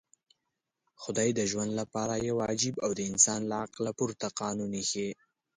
خدای د ژوند لپاره يو عجيب او د انسان له عقله پورته قانون ايښی.